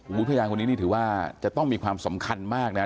อุทยานคนนี้นี่ถือว่าจะต้องมีความสำคัญมากนะครับ